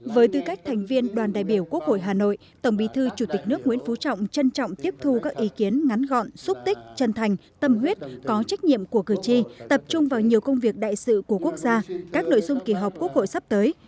với tư cách thành viên đoàn đại biểu quốc hội hà nội tổng bí thư chủ tịch nước nguyễn phú trọng trân trọng tiếp thu các ý kiến ngắn gọn xúc tích chân thành tâm huyết có trách nhiệm của cử tri tập trung vào nhiều công việc đại sự của quốc gia các nội dung kỳ họp quốc hội sắp tới